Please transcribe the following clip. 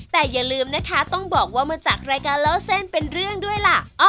แต่อย่าลืมนะคะต้องบอกว่ามาจากรายการเล่าเส้นเป็นเรื่องด้วยล่ะ